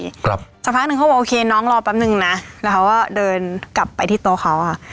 ครับสักพักหนึ่งเขาบอกโอเคน้องรอแป๊บนึงนะแล้วเขาก็เดินกลับไปที่โต๊ะเขาอ่ะ